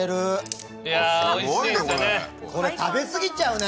これ食べ過ぎちゃうね。